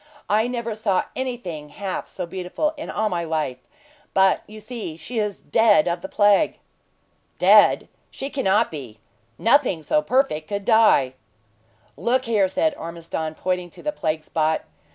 "I never saw anything half so beautiful in all my life; but you see she is dead of the plague." "Dead? she cannot be! Nothing so perfect could die!" "Look there," said Ormiston pointing to the plague spot.